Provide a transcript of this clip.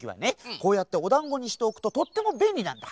こうやっておだんごにしておくととってもべんりなんだ。